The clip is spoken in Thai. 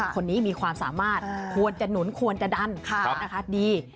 คนนี้มีความสามารถควรจะหนุนควรจะดันดี